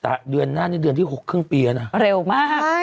แต่เดือนหน้านี่เดือนที่๖ครึ่งปีแล้วนะ